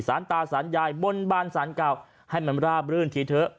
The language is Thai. สารตาสารยายบนบานสารเก่าให้มันราบรื่นทีเถอะ